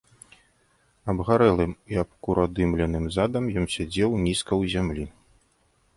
Абгарэлым і абкуродымленым задам ён сядзеў нізка ў зямлі.